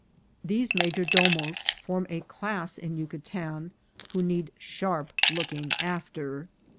These major domos form a class in Yucatan who need sharp looking after.